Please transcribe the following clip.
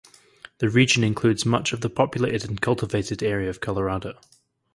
The region includes much of the populated and cultivated area of Colorado.